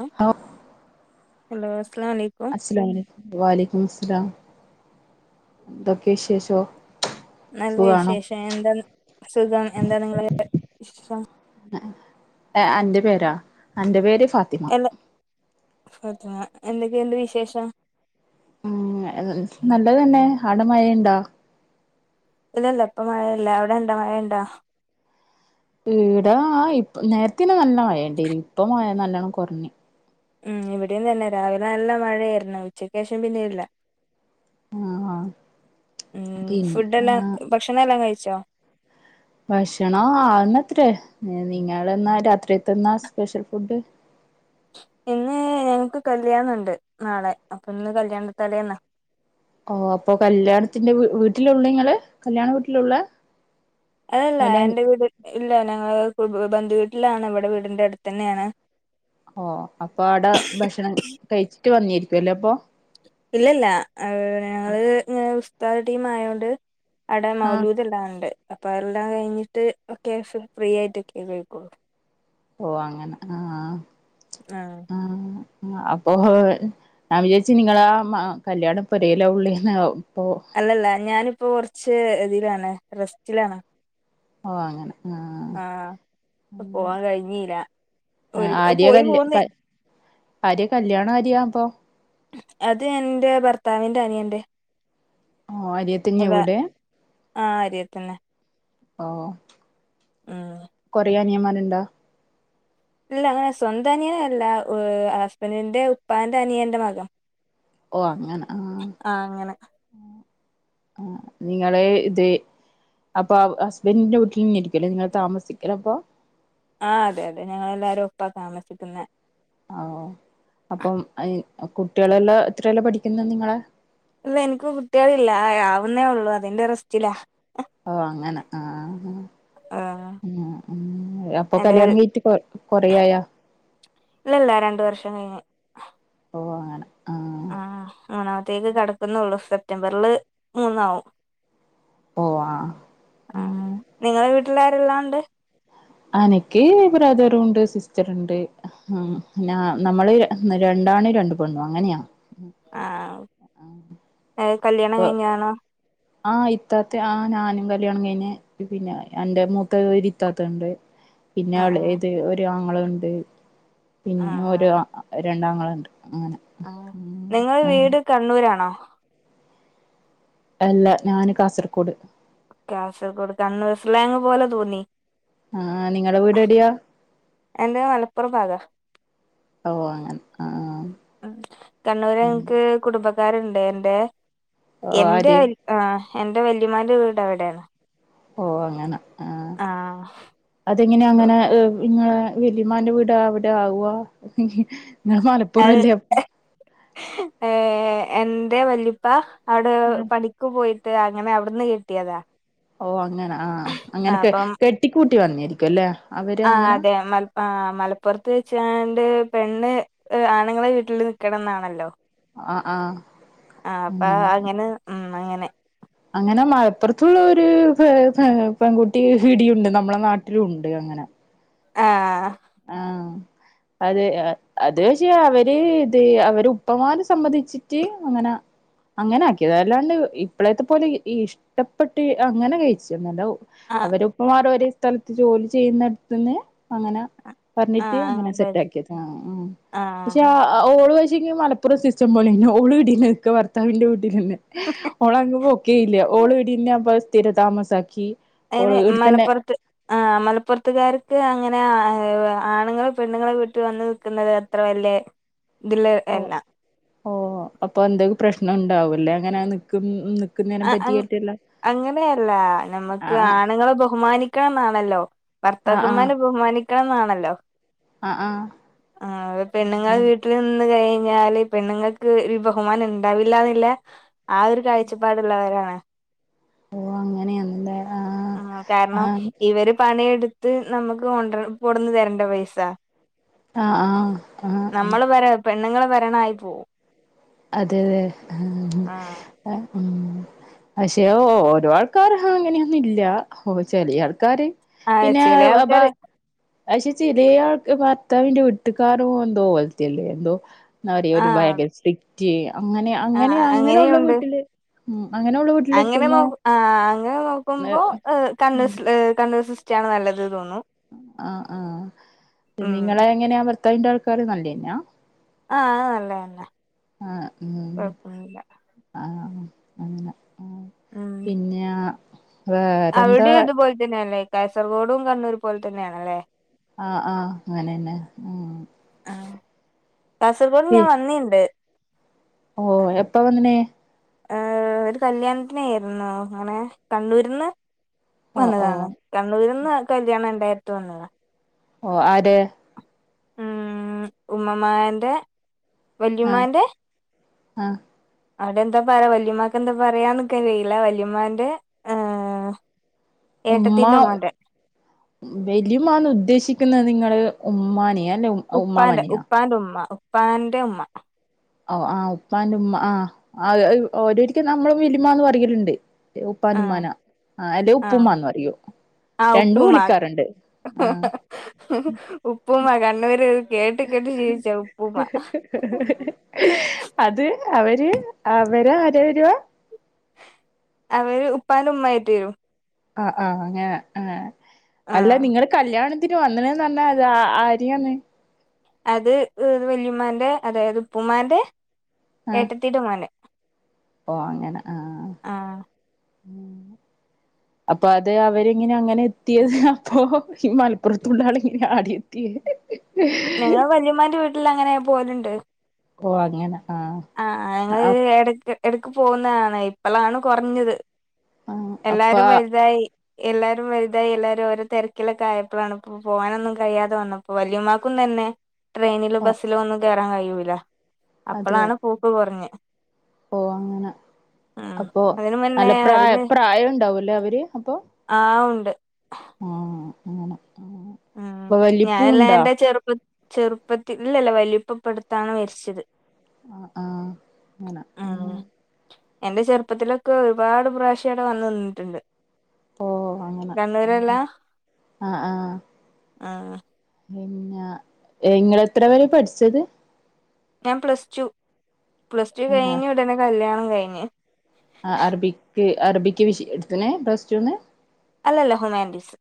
ആഹ് ഓഹ് ഹലോ അസ്സാലാമൊലൈക്കും വലൈക്കുംമുസ്സലാം എന്തൊക്കെ വിശേഷം നല്ല വിശേഷം എന്താ സുഖം എന്താണ് നിങ്ങളെ വിശേഷം അന്റെ പേരാ അന്റെ പേര് ഫാത്തി എല്ല ഫാത്തിമ എന്തൊക്കെഉണ്ട് വിശേഷം ഉം നല്ലത് തന്നെ ആടെ മഴ ഇണ്ടോ ഇല്ല ഇല്ല ഇപ്പ മഴയില്ല അവിടെ ഇണ്ടാ മഴ ഇണ്ട ഈടാ ഇ നേരത്തന്നെ നല്ല മഴ ണ്ടെയ്നി ഇപ്പ മഴ നല്ലോണം കുഞ്ഞ് ഉം ഇവിടെയും തന്നെ രാവിലെ നല്ല മഴയായിരുന്നു ഉച്ചക്ക് ശേഷം പിന്നെ ഇല്ല ആഹ് ഉം ഫുഡ് എല്ലാം പിന്നെ ഭക്ഷണം എല്ലാം കഴിച്ചോ ഭക്ഷണം ആവുന്നത്രേ നിങ്ങെളെന്നാ രാത്രിയത്തെന്നാ സ്പെഷ്യൽ ഫുഡ് ഇന്ന് ഞങ്ങക്ക് കല്യാണം ഇണ്ട് നാളെ അപ്പൊ ഇന്ന് കല്യാണ തലേന്നാ ഓ അപ്പൊ കല്യാണത്തിന്റെ വീട്ടിലുള്ള ഇങ്ങള് കല്യാണ വീട്ടിലാ ഉള്ളെ അതല്ല എന്റെ വീട് ഇല്ല ഞങ്ങള് ബന്ധുവീട്ടിലാണ് ഇവിടെ വീടിന്റെ അടുത്ത് തന്നെയാണ് ഓ അപ്പൊ ആടെ ഭക്ഷണം കഴിച്ചിട്ട് വന്നേരിക്കും അല്ലേ അപ്പൊ ഇല്ല ഇല്ല ഞങ്ങള് ഇങ്ങനെ ഉസ്താത് ടീം ആയോണ്ട് അവിടെ ആഹ് മൗലൂദ് എല്ലാം ഉണ്ട് അപ്പൊ അതെല്ലാം കഴിഞ്ഞിട്ട് അത്യാവശ്യം ഫ്രീ ആയിട്ടൊക്കെ കഴിക്കൂള്ളൂ ഓഹ് അങ്ങനെ ആഹ ആഹ ആഹ് അപ്പൊ ഞാൻ വിചാരിച്ച് നിങ്ങളാ കല്യാണ പൊരയിലാ ഉള്ളേന്ന് ഇപ്പൊ അല്ല അല്ല ഞാനിപ്പോ കുറച്ച് ഇതിലാണ് റെസ്റ്റിലാണ് ഓഹ് അങ്ങനെ ആഹ് ആഹ അപ്പൊ പോവാൻ കഴിഞ്ഞീല്ല ഒരു പോയി പോന്ന് ആരെയാ കല്യാണരെയാ അപ്പോ അത് എന്റെ ഭർത്താവിന്റെ അനിയന്റെ ഓ ആര്യത്തന്നെയാ അതാ ആഹ് അരിയത്തെന്നെ ഓഹ് ഉം കൊറേ അനിയന്മാരുണ്ടാ ഇല്ല അങ്ങനെ സ്വന്തം അനിയന് അല്ല ഹസ്ബന്റിന്റെ ഉപ്പാന്റെ അനിയന്റെ ഉപ്പാന്റെ അനിയന്റെ മകനാ ഓഹ് അങ്ങനെ ആഹ [inaudible] ആ നിങ്ങള് ഇത് അപ്പൊ ഹസ്ബന്റീന്റെ വീട്ടിൽ നിന്നിരിക്കല്ലേ നിങ്ങൾ താമസിക്കലപ്പോ ആഹ് അതെ അതെ ഞങ്ങളെല്ലാരും ഒപ്പാ താമസിക്കുന്ന ആഹ് അപ്പം കുട്ടികളെല്ലാം എത്രയല്ലോ പഠിക്കുന്ന നിങ്ങളെ ഇല്ല എനിക്ക് കുട്ടിയളില്ല ആവുന്നേ ഉള്ളൂ അതിന്റെ റെസ്റ്റിലാ ഓഹ് അങ്ങനെ ആഹ് ആഹ് ഉം അപ്പൊ എന്റെ കല്യാണം കീറ്റ് കൊ കൊറയായാ ഇല്ലല്ല രണ്ട വർഷം കഴിഞ്ഞ് ഓഹ് അങ്ങനെ ആഹ് ആ മൂന്നാമത്തേക്ക് കടക്കുന്നുള്ളൂ സെപ്റ്റംബറില് മൂന്നാാവും ഓ ആ ആഹ് നിങ്ങളെ വീട്ടിലാരല്ലാം ഉണ്ട് അനക്ക് ബ്രദറുണ്ട് സിസ്റ്റർ ഉണ്ട് ഉം പിന്നെ നമ്മള് രണ്ടാണ രണ്ട പെണ് അങ്ങനെയാണ് ആഹ് കല്യാണം കഴിഞ്ഞാണോ ആഹ് ഇത്താത്തെ ആഹ് ഞാനും കല്യാണം കഴിഞ് പിന്നെ എന്റെ മൂത്തരി ഇത്താത്തണ്ട് പിന്നെ ആഹ് ആഹ് എളീത് ഒരു ആങ്ങളുണ്ട് പിന്നെ ഒരു ആഹ് രണ്ടാങ്ങളണ്ട് അങ്ങനെ ആഹ് ഉം നിങ്ങ ആ വീട് കണ്ണൂരാണോ അല്ല ഞാന് കാസർകോട്് കാസർഗോഡ് കണ്ണുർ സ്ലേങ്ങ് പോലെ തോന്നി ആഹ് നിങ്ങടെ വീഡെട്യാ എന്റെ മലപ്പോ പ്രഭാഗ ഓഹ് അങ്ങനെ ആ ഉം കണ്ണൂര് ങ്ങക്ക് കുടുംബക്കാരുണ്ട് എന്റെറെ ഓ എന്റെ ആര് അരി ആഹ് എന്റെ വല്യമാന്റെ വീട് അവിടെണ് ഓഹ് അങ്ങന ആഹ് അതെങ്ങനെ അങ്ങനെ ഇങ്ങളെ വല്യമാന്റെ വീട് അവടെ ആവാ മല അത് ഏഹ് എന്റെ വല്ല്യപ്പ അവടെ ആ പ ണിക്ക് പോയിട്ട് അങ്ങനെ അവ്ട് ന്ന് കെട്ടിയതാ ഓഹ് അങ്ങനെ ആഹ് അങ്ങനെ അപ്പം കെട്ടിക്കൂട്ടി വന്നേര്ക്കുല്ലേ ആഹ് അതെ മല് ആഹ് മലപ്പുറത്ത് വെച്ചാണ്ട് പെണ്ണ് ആണ്ങ്ങളെ വീട്ട്ല് നിക്കണം ന്നാണല്ലോ ആ ആ ആഹ് അപ്പ അങ്ങനെ ഉം അങ്ങനെ അങ്ങനെ മലപ്പൊറത്ത്ള്ള ഒര് പെ പെ പെങ്കുട്ടി ഇവ്ടീ ഉണ്ട് നമ്മളെ നാട്ടിലൂണ്ട് അങ്ങനെ ആഹ് ആഹ് അതെ അത് പക്ഷെ അവര് ഇത് അവര് ഉപ്പമാര് സമ്മതിച്ചിറ്റ് അങ്ങനാ അങ്ങനെ ആക്ക്യേതാ അല്ലാണ്ട് ഇപ്പളേത്തെ പോലെ ഇഷ്ട്ടപ്പെട്ട് അങ്ങനെ കഴിച്ച് നല്ല ആഹ് അവരേപ്പമാര് അവര് സ്ഥലത്ത് ജോലി ചെയ്യ്ന്നടത്ത്ന്ന് അങ്ങനെ ആഹ് പറഞ്ഞിട്ട് അങ്ങനെ പഠി സെറ്റാക്കിയതാ ആഹ് ആഹ് ആഹ് പക്ഷെ ഓള് പഷേങ്കി മ സിസ്റ്റം പോലെന്നെ ഓളിവടെന്നെ നിക്ക ഭർത്താവിന്റെ വീട്ടിലെന്നെ ഓളവ്ട്ക്ക് പോക്കേ ഇല്ല ഓള് ഇവിടിന്നെ അപ്പൊ സ്ഥിര താമസാക്കി അയ്ന് ഓള് ഇവിടെത്തന്നെ മലപ്പൊർത്ത് ആഹ് മലപ്പൊറത്തുകാര്ക്ക് അങ്ങനെ ആണ്ങ്ങള് പെണ്ണ്ങ്ങളെ വീട്ട് വന്ന് നിക്ക്ന്നത് അത്ര വല്ല്യേ തില്ല് എ ഓഹ് അപ്പൊ എന്തേലും പ്രശ്നം ഉണ്ടാവൂല്ലേ അങ്ങനെ നിക്കും നിക്കുന്നതിനെ ആഹ് അങ്ങ് പറ്റിയിട്ടില്ല അങ്ങനെയല്ല ആ നമ്മക്ക് ആണിങ്ങളെ ബഹുമാനിക്കണന്നാണല്ലോ ആ ആ ഭർത്താക്കന്മാരെ ബഹുമാനിക്കണന്നാണല്ലോ ആ ആ ആഹ് പെണ്ണിങ്ങൾ വീ ട്ടിൽ നിന്ന് കയിഞ്ഞാല് പെണ്ണ്ങ്ങക്ക് ബഹുമാനണ്ടാവില്ലാന്നില്ലെ ആഹ് ഒര് കായ്ച പ്പാടിള്ളവരാണ് ഓ അങ്ങനെയാണല്ലേ ആ ഉം ആ കാര്ണം ഇവര് പണിയെട് ത്ത് നമ്മക്ക് കൊണ്ട്ര കൊട്ന്ന് തരണ്ടെ പൈസ ആ ആ ആ ആ നമ്മള് ഭര പെണ്ണിങ്ങളെ ഭരണായി പോവും അതെ അതെ ആഹ് അഹ് ഉം പഷെ ഓരോ ആൾക്കാര് അങ്ങന്യൊന്നില്ല ഓ ചെല്യേ ആൾക്കാര് ആഹ് പിന്നേ ചില അബ ആൾക്കാര് അഷെ ചെലേ ആൾക് ഭർത്താവിന്റെ വീട്ടികാരും എന്തോ പോൽത്ത്യല്ലേ എന്തോ എന്താ പറയാ ഒര് ആഹ് ഭയ്ങ്ക്ര സ്ട്രിക്റ്റ് അങ്ങനെ അങ്ങനെ ആഹ് അങ്ങനൊള്ള അങ്ങനെയുണ്ട് വീട്ട്ല് ഉം അങ്ങനൊള്ള വീ അങ്ങനെ നോ ആഹ് അങ്ങനെ നോക്കുമ്പോ ഏഹ് കണ്ണ് സ്ല് കണ്ണു സിസ് റ്റാണ് നല്ലത് തോന്നും ആഹ് ആഹ് ഉം നിങ്ങളെ എങ്ങനാ ഭർത്താവിന്റെ ആൾക്കാര് നല്ല്യെന്നാ ആഹ് നല്ലെന്നെ ഉം കൊഴ്പ്പൊന്നുല്ല ആഹ് അങ്ങനെ ആഹ് പിന്ന്യാ അവ്ട്യു ഇതുപോൽ തന്ന്യല്ലേ കാസർഗോഡും കണ്ണൂർ പോലെ തന്ന്യാണല്ലെ ആഹ് ആഹ് അങ്ങനെന്നെ ഉം ആഹ് കാസർഗോഡ് ഞാൻ വന്നീണ്ട് ഓഹ് എപ്പ വന്നിണ് ഏഹ് ഒരു കല്യാണത്തിനേര്ന്നു അങ്ങനെ കണ്ണൂര്ന്ന് ഓ ഓ വന്നതാണ് കണ്ണൂര്ന്ന് കല്യാണണ്ടായ്ട്ട് വന്നതാ ഓഹ് ആരെ ഉം ഉമ്മമാന്റെ ആഹ് വല്യുമാന്റെ ആഹ് അവടെന്താ പറയാ വല്യുമ്മാക്കെന്താ പറയാന്നിക്കറീല വല്ല്യമ്മാന്റെ ഏഹ് ഏഹ് ഉമ്മ വെല്ല്യുമ്മാന്ന് ഉദ്ദേശിക്ക്ന്നെ നിങ്ങള് ഉമ്മാന്യാലും ഉപ്പാന്റെ ഉപ്പാന്റെ ഉമ്മ ഉപ്പാന്റെ ഉമ്മ ഓഹ് ആഹ് ഉപ്പാൻ്റ ഉമ്മ ആഹ് ആഹ് ഏഹ് ഓരൊരിക്കെ നമ്മളും വെല്ലിമ്മാന്ന് പറയലിണ്ട് ആഹ് ഉപ്പാൻ്റുമ്മാന ആഹ് അല്ലെ ആഹ് ഉപ്പുമ്മാന്ന് പറയു രണ്ടു വിളിക്കാറിണ്ട് ആഹ് ഉപ്പുമ്മ കണ്ണൂര് കേട്ട് കേട്ട് ശീൽച്ച ഉപ്പുമ്മ അത് അവര് അവരെ ആര വെരുവ അവര് ഉപ്പാൻ്റുമ്മായിട്ട് വരും ആഹ് ആഹ് അങ്ങനെ ഏഹ് അല്ല ആഹ് നിങ്ങള് കല്യാണത്തിന് വന്നിണ് നർണത് ആര്യാന്ന് അത് ഏഹ് വെല്ല്യുമാന്റെ അതായത് ഉപ്പുമ്മാന്റെ ഏട്ടത്തീടെ മോന് ഓഹ് അങ്ങന ആഹ് ആഹ് ഉം [inaudible] അപ്പ അത് അവരിങ്ങനെ അങ്ങനെ എത്ത്യേത് അപ്പൊ ഈ മൽപ്പൊർത്തുള്ളാള് ഇങ്ങന്യാ ആട്യെത്ത്യെ ഞങ്ങള് വല്മ്ല്യുമാന്റെ വീട്ടിൽ അങ്ങനെ പോലിണ്ട് ഓഹ് അങ്ങനെ ആഹ് ഞങ്ങള് എടക്ക് എടക്ക് പോന്നാന്ന് ഇപ്പളാണ് കൊർഞ്ഞത് ആഹ് അപ്പ എല്ലാരും വൽതായി എല്ലാരും വൽതായി എല്ലാരും ഓരോ തെരക്കിലൊക്കായപ്പളാണ് ഇപ്പോ പോവാനൊന്നും കയ്യാതെ വന്ന പ്പൊ വല്ല്യുമ്മാക്കും തന്നെ ട്രെയിനിലും ഓ ബസ്സിലോ ഒന്നും കേയ്റാൻ കഴിയൂല്ല അപ്പളാണ് പൂക്ക് കുർഞ്ഞ് ഓഹ് അങ്ങന അപ്പൊ അതിന് നല്ല മുന്നേ പ്രായ് പ്രായൊണ്ടാവുലേ അവര് അപ്പൊ ആഹ ഉണ്ട് ആഹ അങ്ങനെ ആഹ ഉം ഞാനല്ലാ എന്റെ ചെറുപ്പ ചെറുപ്പത്തി ഇല്ല ല്ല വലുപ്പ ഇപ്പടുത്താണ് മരിച്ചത് ആഹ ആഹ അനെ ഉം അങ്ങനെ എന്റെ ചെറുപ്പത്തിലൊക്കെ ഒരുപാട് പ്രാവശ്യ അവിടെ വന്ന് നിന്നിട്ട്ണ്ട് ഓ കണ്ണൂരെല്ലാ ആഹ ആഹ ആഹ പിന്നെ ഇങ്ങൾ എത്ര വരെ പഠിച്ചത് ഞാൻ പ്ലസ് ടു പ്ലസ് ടു ആഹ് കഴിഞ്ഞു ഇടന്നെ കല്യാണം കഴിഞ്ഞ് ആഹ അറബിക്ക് അറബിക്ക് വിഷ എട്ത്തിനെ പ്ലസ് ടൂന്ന് അല്ലല്ല ഹുമാൻഡീസ്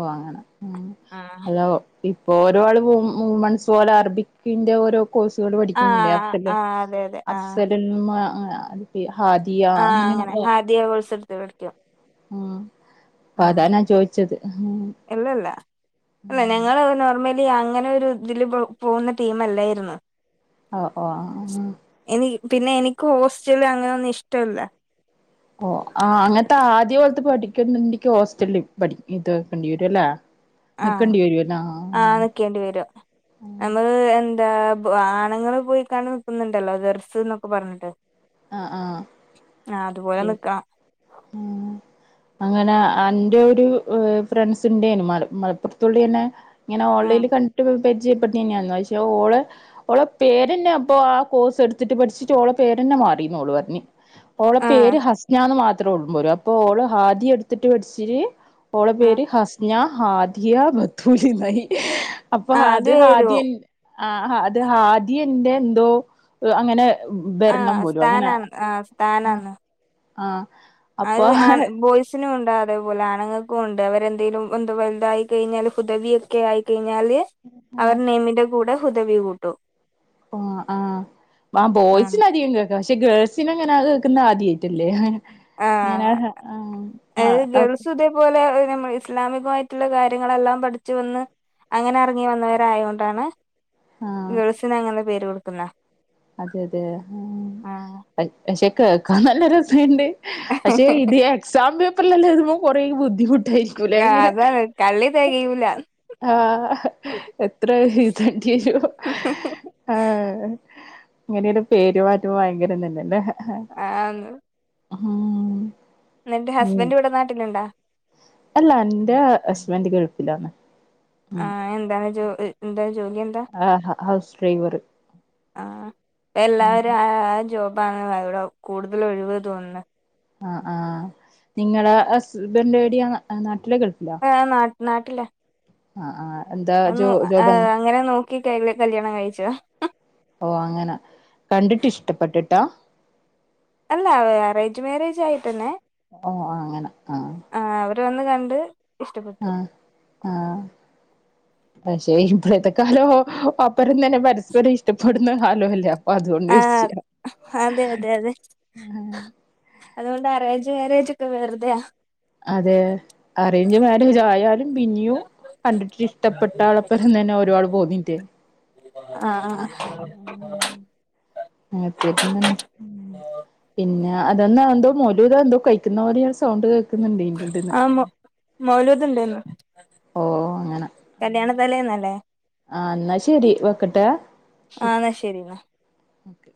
ഓ അങ്ങനെ ഉം ആ അലേ ഇപ്പൊ ഓരോ ആള് മുമൺസ് പോലെ അറബിക്കിന്റെ ഓരോ കോഴ്സുകൾ ആ പഠിക്കുന്നില്ലേ അസ ആ അതെ അതെ ആ അസലുൽഉൽമ അദിയ ആഹ അങ്ങനെ ഹാദിയ കോയിസ് എടുത്ത് പഠിക്ക ആഹ അപ്പെ അതാനാ ചോയിച്ചത് ഇല്ലല്ല അല്ല ഞങ്ങൾ നോർമലി അങ്ങനെൊ ഒരു ഇതില് പോകുന്ന ടീം അല്ലായിരുന്നു ഓ ഒ ആഹ എനി പിന്നെ എനിക്കും ഹോസ്റ്റൽ അങ്ങനൊന്നും ഇഷ്ടല്ല ഓ ആഹ അങ്ങനത്തെ ആദ്യ പോലത്തെ പഠിക്കുന്നുണ്ടക്ക് ഹോസ്റ്റലിൽ പഠി ഇത്ക്കേണ്ടി വരും അല്ലേ ആ നക്കേണ്ടി വരുല്ലാ ആഹ ആ ആഹ നിക്കേണ്ടി വരൂം ആഹ നമ്മള് എന്താ ആണ്ങ്ങൾ പോയിക്കാണ്ട് നിക്കുന്നുണ്ടല്ലോ ദെർസ് എന്നൊക്കെ പറഞ്ഞിട്ട് ആഹ ആഹ ആ അതുപോലെ പി നിക്കണം ഉം അങ്ങനെ അന്റെ ഒരു ഫ്രണ്ട്സ് ഉണ്ടെന്നും മല മലപ്പുറത്തുള്ള തന്നെ ഇങ്ങനെ ആ ഓൺലൈനിൽ കണ്ടിട്ട് പരിചയപ്പെട്ടുതേനി പക്ഷേ ഓള് ഓളെ പേരന്നെ അപ്പൊ ആ കോഴ്സ് എടുത്തിട്ട് പഠിച്ചിട്ട് ഓളെ പേരന്നെ മാറി അയിന് ഓള് പറഞ്ഞ് ഓളെ ആ പേര് ഹസ്നാന്ന് മാ ഇത്ര ഒള്ളുമ്പോലോ അപ്പൊ ഓള് ഹാദി എടുത്തിട്ട് പഠിച്ചില് അപ്പോ ഓളെ ആ പേര് ഹസന ഹാദിയ ബത്തൂരി ഇന്നായി അപ്പൊ ആ അത് ഹാദി വരും ആ അത് ഹാദി ഇന്റെ എന്തോ അങ്ങനെ ആ വെരണം മ്പോലോ അങ്ങനെ സ്ഥാനാണ് ആ ആഹ സ്ഥാനാന്ന് ആഹ അത് ആഹ ബോയ്സ് ബോയിസിനും ഉണ്ട് അതേപോലെ ആണുങ്ങൾക്കും ഉണ്ട് അവരെന്തെങ്കിലും എന്ത വലുതായി കഴിഞ്ഞാല് ഹുദവിയൊക്കെ ആയിക്കഴിഞ്ഞാല് ആഹ് അവരെ നെയിമിന്റെ കൂടെ ഹുദവി കൂട്ടും ഒ ആഹ ആ ബോയ്സിന് അധികം കേ പക്ഷെ ഗേൾസിന് അങ്ങനെ കേക്കുന്നേ ആദ്യായിട്ടല്ലേ ആ ഇങ്ങനെ ആഹ ആഹ ഇതുപോലെ നമ്മൾ ഇസ്ലാമികമായിട്ടുള്ള കാര്യങ്ങളെല്ലാം പഠിച്ചു വന്ന് അങ്ങനെ അറങ്ങി വന്നവര് ആയോണ്ടാണ് ആഹ് ഗൾസിന് അങ്ങനെ പേര് കൊടുക്കുന്നേ അതെ അതെ പക്ഷെ കേക്കാൻ നല്ലെ രസയിണ്ട് പക്ഷെ ഇത് എക്സാം പേപ്പറിലെല്ലാം എഴുതുമ്പോ കൊറെ ബുദ്ധിമുട്ടായിരിക്കുല്ലെ ആ, ഇങ്ങനെ അതാണ് കള്ളി തികയൂല ആഹ് എത്ര എഴുതേണ്ടിവരും ആഹ് ഇങ്ങനെയൊരു പേര് മാറ്റുമ്പോ ഭയങ്കരം തന്നല്ലേ ആന്ന് ഉം ഇന്നട്ട് ഉം ഹസ്ബന്റ് ഇവിടെ നാട്ടിലുണ്ടാ അല്ല ഇന്റെ ഹസ്ബൻഡ് ഗൾഫിലാണ് ആഹ് അയിന് എന്താണ് ജോ എന്താ ജോലി എന്താ ആഹ് ഹൗസ് ഡ്രൈവർ ആഹ് എല്ലാവരും ആ ആ ജോബാണ് അവിടെ കൂടുതൽ ഒഴിവ് തോന്നുന്ന് ആഹ് ആഹ് നിങ്ങളെ ഹസ്ബൻഡ് എവിടെയാ നാട്ടിലോ ഗൾഫിലോ ആഹ് നാട്ട് നാട്ടില ആഹ് ആഹ് എന്ത അന്നു ആഹ് അങ്ങനെ നോക്കികഴിഞ്ഞ് കല്യാണം കഴിച്ച ഓ അങ്ങനെ കണ്ടിട്ട് ഇഷ്ടപ്പെട്ടിട്ടാ അല്ല അറേഞ്ച് മേരേജ് ആയിട്ടന്നെ ഓ അങ്ങനെ ആഹ് ആഹ് അവര് വന്ന് കണ്ട് ഇഷ്ടപ്പെട്ടു ആഹ് ആഹ് പക്ഷെ ഇപ്പോഴത്തെ കാലം ഒപ്പറം തന്നെ പരസ്പരം ഇഷ്ടപ്പെടുന്ന കാലമല്ലേ അതൊണ്ട് ആഹ് ചോയിച്ചാ അതെ അതൊണ്ട് അറേഞ്ച് മാരേജ് ഒക്കെ വെറുതയാ അതെ അറേഞ്ച് മാരേജ് ആയാലും പിന്നിയും കണ്ടിട്ട് ഇഷ്ടപ്പെട്ട ആളപ്പം തന്നെ ഓരോ ആളും പോണില്ലേ ആഹ് ആഹ് ആഹ് [unintelligible] പിന്നെ അതന്നാ എന്തോ മൗലൂദ് എന്തോ കഴിക്കുന്ന പോലെയാണ് സൗണ്ട് കേ ആഹ് മൗ മൗലൂദ് ഉണ്ടേന്നു ഓ അങ്ങനെ തലേന്നല്ലേ ആഹ് ഇന്നാ ശരി വെക്കട്ടെ ആഹ് ഇന്നാ ശരി ന്നാ ഓക്കെ